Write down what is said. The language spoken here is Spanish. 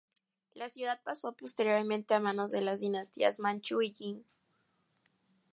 La ciudad pasó posteriormente a manos de las dinastías Manchú y Qing.